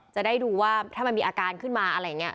จะได้ดูว่าถ้ามันมีอาการขึ้นมาอะไรอย่างนี้